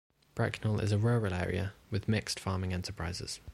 Bracknell is a rural area with mixed farming enterprises.